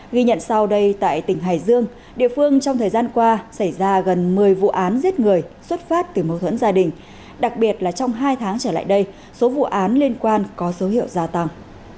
ghi nhận sau đây tại tỉnh hải dương địa phương trong thời gian qua xảy ra gần một mươi vụ án giết người xuất phát từ mâu thuẫn gia đình đặc biệt là trong hai tháng trở lại đây số vụ án liên quan có dấu hiệu gia tăng